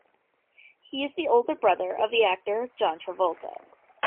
He is the older brother of the actor John Travolta.